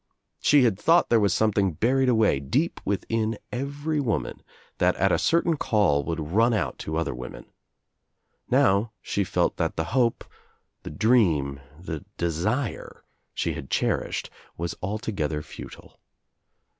She had thought there was something buried away, deep within every woman, that at a certain call would run out to other women. Kow she felt that the hope, the dream, the desire she had cherished was altogether futile.